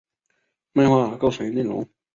漫画构成内容。